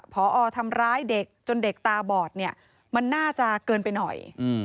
พอทำร้ายเด็กจนเด็กตาบอดเนี่ยมันน่าจะเกินไปหน่อย